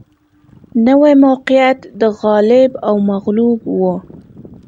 نوي موقعیت د غالب او مغلوب و